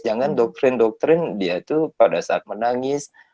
jangan doktrin doktrin dia itu pada saat menangis